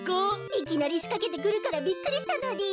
いきなり仕掛けてくるからびっくりしたのでぃす。